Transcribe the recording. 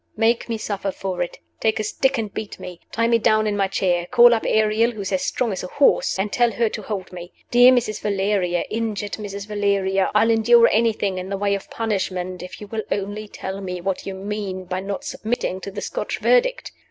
Make me suffer for it. Take a stick and beat me. Tie me down in my chair. Call up Ariel, who is as strong as a horse, and tell her to hold me. Dear Mrs. Valeria! Injured Mrs. Valeria! I'll endure anything in the way of punishment, if you will only tell me what you mean by not submitting to the Scotch Verdict."